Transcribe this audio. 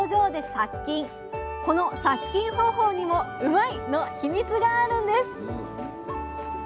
この殺菌方法にもうまいッ！のヒミツがあるんです